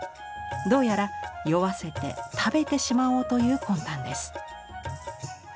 どうやら酔わせて食べてしまおうという魂胆です。